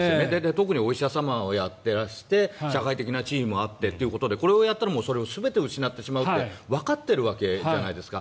特にお医者様をやってらして社会的な地位もあってということでこれをやったらそれを全て失ってしまうってわかっているわけじゃないですか。